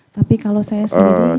tapi kalau saya sendiri tidak pernah